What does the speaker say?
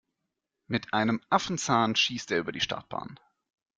Mit einem Affenzahn schießt er über die Startbahn.